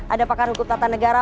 ada pakar hukum tata negara